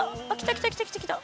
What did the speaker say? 来た来た来た来た。